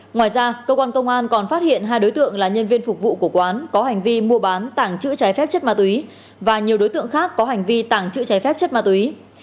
ngoài ra cơ quan công an còn phát hiện hai đối tượng là nhân viên phục vụ của quán có hành vi mua bán tảng chữ trái phép chất ma túy và nhiều đối tượng khác có hành vi tàng trữ trái phép chất ma túy